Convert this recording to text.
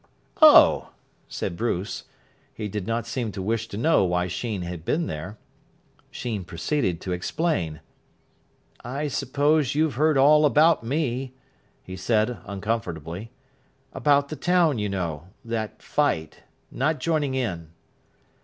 "Oh!" said Bruce. He did not seem to wish to know why Sheen had been there. Sheen proceeded to explain. "I suppose you've heard all about me," he said uncomfortably. "About the town, you know. That fight. Not joining in."